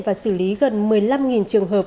và xử lý gần một mươi năm trường hợp